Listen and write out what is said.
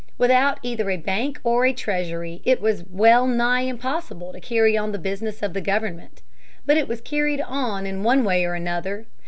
Without either a bank or a treasury, it was well nigh impossible to carry on the business of the government. But it was carried on in one way or another.